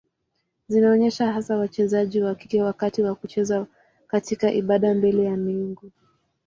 Zinaonyesha hasa wachezaji wa kike wakati wa kucheza katika ibada mbele ya miungu.